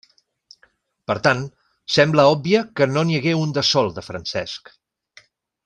Per tant, sembla òbvia que no n’hi hagué un de sol, de Francesc.